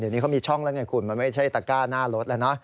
เดี๋ยวนี้เขามีช่องแล้วไงคุณมันไม่ใช่ตะก้าหน้ารถแล้วเนอะ